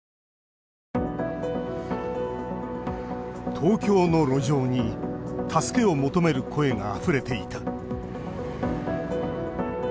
東京の路上に助けを求める声があふれていた。